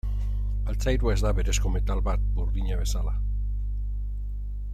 Altzairua ez da berezko metal bat, burdina bezala.